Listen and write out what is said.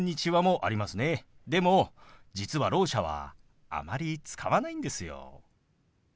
でも実はろう者はあまり使わないんですよ。